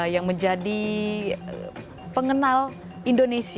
yang menjadi pengenal indonesia